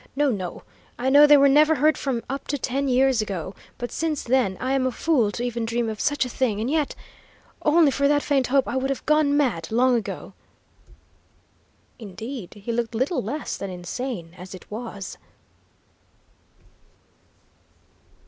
"No, no. I know they were never heard from up to ten years ago, but since then I am a fool to even dream of such a thing, and yet, only for that faint hope I would have gone mad long ago!" Indeed, he looked little less than insane as it was.